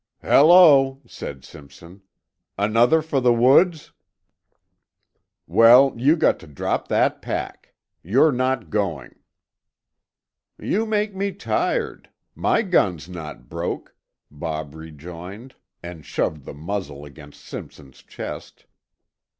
"Hello!" said Simpson. "Another for the woods? Well, you got to drop that pack. You're not going." "You make me tired. My gun's not broke," Bob rejoined and shoved the muzzle against Simpson's chest.